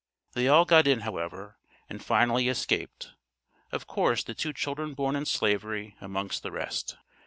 They all got in, however, and finally escaped, of course the two children born in slavery amongst the rest.